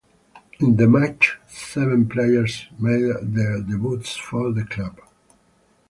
In the match, seven players made their debuts for the club.